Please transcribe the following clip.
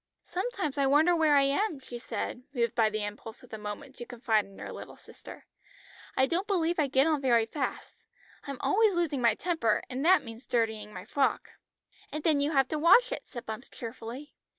"Sometimes I wonder where I am," she said, moved by the impulse of the moment to confide in her little sister. "I don't believe I get on very fast. I'm always losing my temper, and that means dirtying my frock." "And then you have to wash it," said Bumps cheerfully.